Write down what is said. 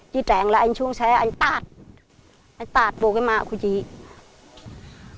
chi trang là anh xuống xe anh tạt anh tạt vô cái mạng cổ trí